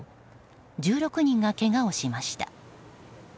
１６人がけがをしました。